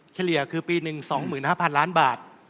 เฉลี่ยคือปีหนึ่ง๒๕๐๐๐ล้านบาท